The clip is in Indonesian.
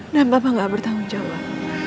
dan papa gak bertanggung jawab